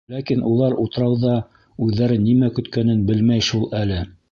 Ләкин улар утрауҙа үҙҙәрен нимә көткәнен белмәй шул әле.